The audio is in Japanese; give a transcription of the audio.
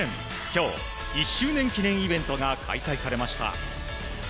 今日、１周年記念イベントが開催されました。